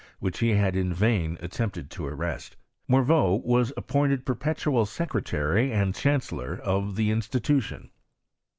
h he hud in vain attempted to arrest, Morveaa was appointed perpetual secretary and chancellor of' the institution.